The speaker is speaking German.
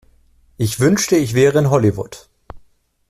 Ich wünschte ich wäre in Hollywood.